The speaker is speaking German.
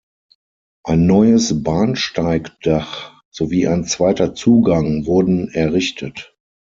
Ein neues Bahnsteigdach sowie ein zweiter Zugang wurden errichtet.